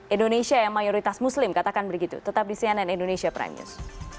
indonesia yang mayoritas muslim katakan begitu tetap di cnn indonesia prime news